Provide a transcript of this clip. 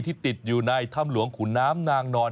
ติดอยู่ในถ้ำหลวงขุนน้ำนางนอน